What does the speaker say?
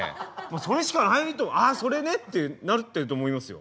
それしかないと「ああそれね」ってなってると思いますよ。